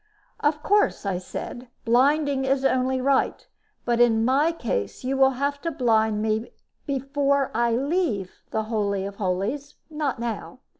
"Of course," I said, "blinding is only right. But in my case you will have to blind me before I leave the Holy of Holies, not now.